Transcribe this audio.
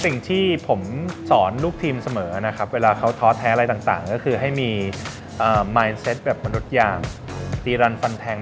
สิ่งที่ผมสอนลูกทีมเสมอเวลาเขาทอดเท้ายังไงต่าง